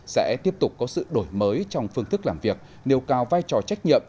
sẽ tiếp tục có sự đổi mới trong phương thức làm việc nêu cao vai trò trách nhiệm